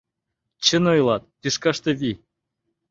Чын ойлат: тӱшкаште — вий.